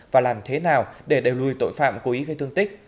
và làm thế nào để đẩy lùi tội phạm cố ý gây thương tích